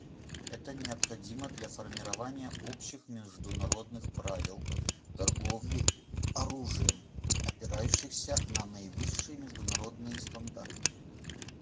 Это необходимо для формирования общих международных правил торговли оружием, опирающихся на наивысшие международные стандарты.